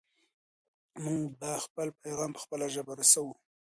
موږ به خپل پیغام په خپله ژبه رسوو.